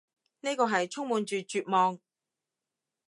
呢個係充滿住絕望